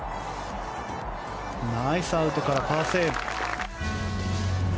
ナイスアウトからパーセーブ。